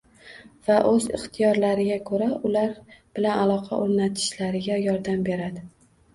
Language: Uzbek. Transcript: va o‘z ixtiyorlariga ko‘ra ular bilan aloqa o‘rnatishlariga yordam beradi.